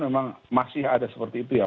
memang masih ada seperti itu ya